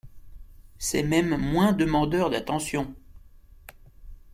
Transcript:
C’est même moins demandeur d’attentions.